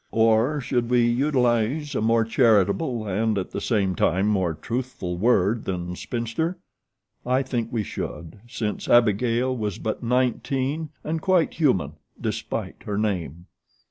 Or should we utilize a more charitable and at the same time more truthful word than spinster? I think we should, since Abigail was but nineteen and quite human, despite her name.